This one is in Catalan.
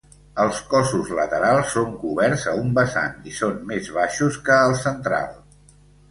Els cossos laterals són coberts a un vessant i són més baixos que el central.